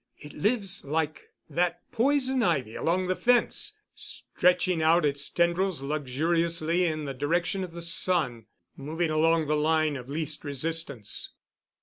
It lives like that poison ivy along the fence, stretching out its tendrils luxuriously in the direction of the sun, moving along the line of least resistance.